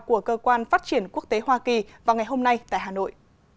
của cơ quan phát triển quốc tế hoa kỳ vào ngày hôm nay tại hà nội